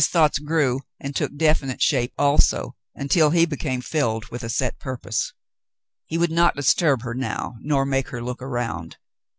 ^ Cassandra tells of her Father 107 grew and took definite shape also, until he became filled with a set purpose. He would not disturb her now nor make her look around.